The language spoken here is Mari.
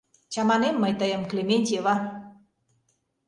Чаманем мый тыйым, Клементьева!